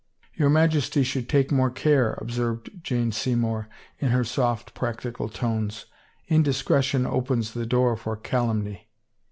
" Your Majesty should take more care," observed Jane Seymour in her soft, practical tones. " Indiscretion opens the door for calumny."